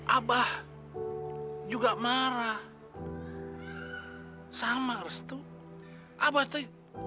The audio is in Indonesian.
abah juga marah sama restu abadi